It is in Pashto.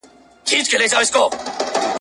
او ارزښت د بیرته تر لاسه کولو